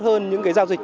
hơn những giao dịch